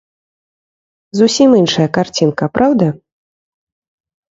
Зусім іншая карцінка, праўда?